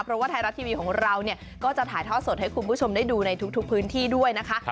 เพราะว่าไทยรัฐทีวีของเราเนี่ยก็จะถ่ายทอดสดให้คุณผู้ชมได้ดูในทุกพื้นที่ด้วยนะคะ